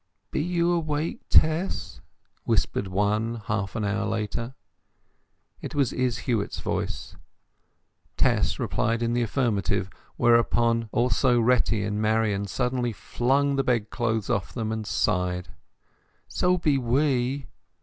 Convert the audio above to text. "B' you awake, Tess?" whispered one, half an hour later. It was Izz Huett's voice. Tess replied in the affirmative, whereupon also Retty and Marian suddenly flung the bedclothes off them, and sighed— "So be we!"